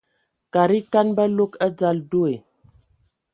Kada ekan ba log adzal deo.